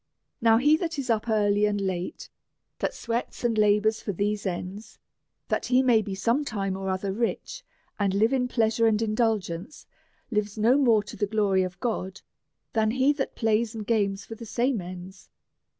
Now, he that is up early and late, that sweats and labours for these ends, that he may be some time or other rich, and live in pleasure and indulgence, lives no more to the glory of God than he that plays and games for the same ends.